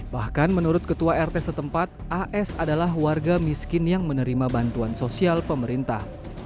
bahkan menurut ketua rt setempat as adalah warga miskin yang menerima bantuan sosial pemerintah